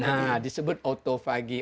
nah disebut otophagy